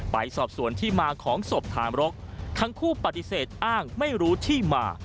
ไปสอบสวนที่มาของศพฐานรกทั้งคู่ปฏิเสธอ้างไม่รู้ที่มา